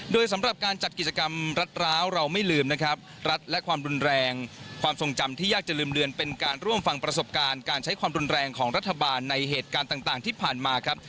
โดยสำหรับการจัดกิจกรรมรัดร้าวเราไม่ลืมนะครับรัฐและความรุนแรงความทรงจำที่ยากจะลืมเลือนเป็นการร่วมฟังประสบการณ์การใช้ความรุนแรงของรัฐบาลในเหตุการณ์ต่างที่ผ่านมาครับ